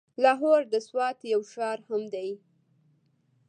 لاهور د سوات يو ښار هم دی.